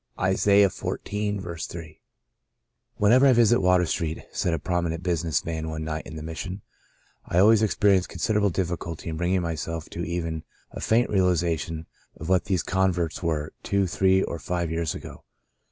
— Isa. xiv. j. ''W THENEVER I visit Water Street," ^y^ said a prominent business man one night in the Mission, I al ways experience considerable difficulty in bringing myself to even a faint realization of what these converts were two, three or five years ago.